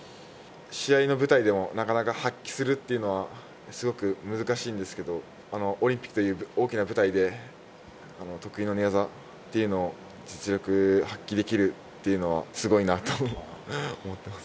試合の舞台でもなかなか発揮するっていうのは難しいんですけれど、オリンピックという大きな舞台で得意の寝技っていうのを実力が発揮できるっていうのはすごいなと思っています。